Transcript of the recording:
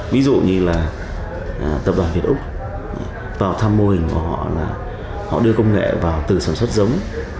ví dụ như là tập đoàn việt úc vào thăm mô hình của họ là họ đưa công nghệ vào từ sản xuất giống